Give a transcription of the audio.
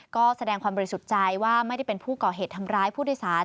ก็แสดงความบริสุทธิ์ใจว่าไม่ได้เป็นผู้ก่อเหตุทำร้ายผู้โดยสาร